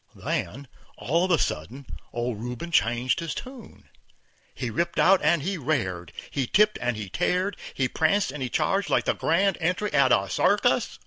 Then, all of a sudden, old Rubin changed his tune. He ripped out and he rared, he tipped and he tared, he pranced and he charged like the grand entry at a circus.